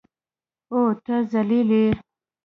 او ته ذلیل یې.